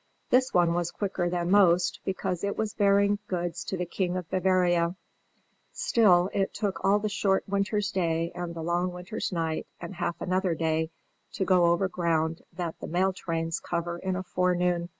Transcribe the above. This one was quicker than most, because it was bearing goods to the King of Bavaria; still, it took all the short winter's day and the long winter's night and half another day to go over ground that the mail trains cover in a forenoon.